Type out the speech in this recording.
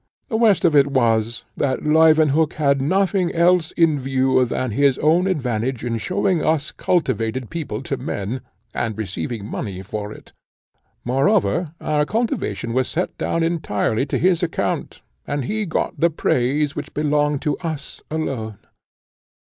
The worst of it was, that Leuwenhock had nothing else in view than his own advantage in showing us cultivated people to men, and receiving money for it. Moreover our cultivation was set down entirely to his account, and he got the praise which belonged to us alone.